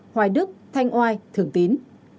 hoài đức thanh oai thường tín